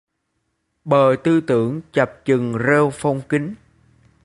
Bờ tư tưởng chập chùng rêu phong kín